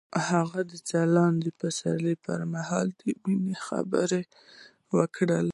هغه د ځلانده پسرلی پر مهال د مینې خبرې وکړې.